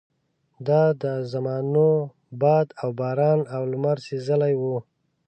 دا د زمانو باد او باران او لمر سېزلي وو.